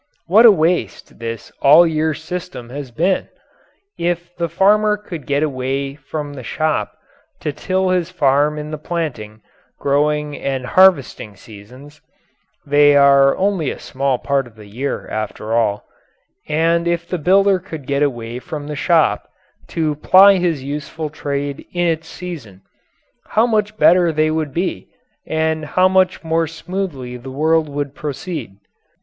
What a waste this all year system has been! If the farmer could get away from the shop to till his farm in the planting, growing, and harvesting seasons (they are only a small part of the year, after all), and if the builder could get away from the shop to ply his useful trade in its season, how much better they would be, and how much more smoothly the world would proceed.